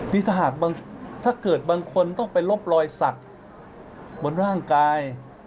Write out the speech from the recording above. นี่ถ้าหากถ้าเกิดบางคนต้องไปลบรอยสักบนร่างกาย